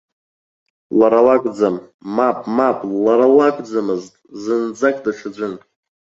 Лара лакәӡам, мап, мап, лара лакәӡамызт, зынӡаск даҽаӡәын.